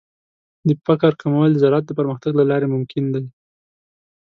د فقر کمول د زراعت د پرمختګ له لارې ممکن دي.